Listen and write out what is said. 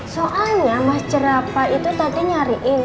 soalnya mas jerapa itu tadi nyariin